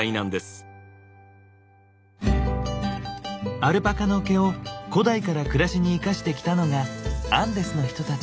アルパカの毛を古代から暮らしに生かしてきたのがアンデスの人たち。